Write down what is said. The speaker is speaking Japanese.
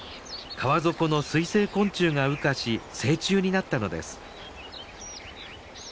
川底の水生昆虫が羽化し成虫になったのです。